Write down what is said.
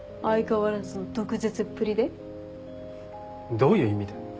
どういう意味だよ。